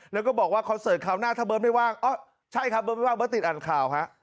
แล้วก็บอกว่าคอนเสิร์ตคราวหน้าถ้าเบิร์ตไม่ว่างใช่ครับเบิร์ดไม่ว่างเบิร์ตติดอ่านข่าวฮะ